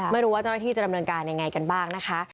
ไม่รู้ว่าเจ้าหน้าที่จะดำเนินการยังไงกันบ้างนะคะ